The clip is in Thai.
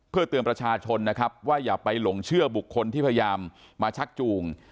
เพื่อเตือนประชาชนนะครับว่าอย่าไปหลงเชื่อบุคคลที่พยายามมาชักจูง